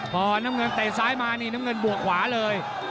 พอน้ำเงินเตะซ้ายมานี่น้ำเงินบวกขวาเลย